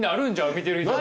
見てる人も。